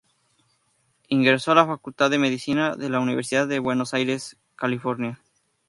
Ingresó a la Facultad de Medicina de la Universidad de Buenos Aires ca.